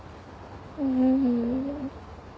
うん。